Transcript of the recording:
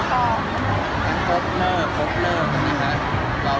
ชุดวันเมื่อมาอีกตัว